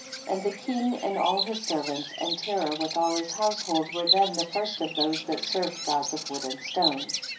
7. And the king and all his ser vants, and Terah with all his house hold were then the first of those that served gods of wood and stone.